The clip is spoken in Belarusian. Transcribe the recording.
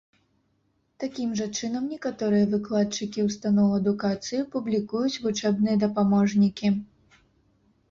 Такім жа чынам некаторыя выкладчыкі ўстаноў адукацыі публікуюць вучэбныя дапаможнікі.